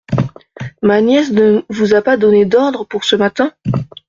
Ma nièce ne vous a pas donné d’ordres pour ce matin ?